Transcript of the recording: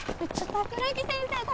桜木先生達！